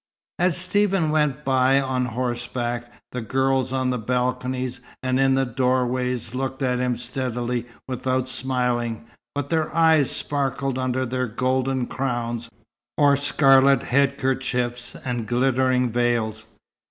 As Stephen went by on horseback, the girls on the balconies and in the doorways looked at him steadily without smiling, but their eyes sparkled under their golden crowns, or scarlet headkerchiefs and glittering veils.